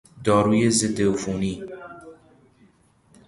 داروی ضد عفونی